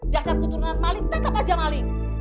dasar keturunan maling tetap aja maling